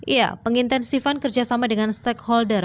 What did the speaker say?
iya pengintensifan kerjasama dengan stakeholder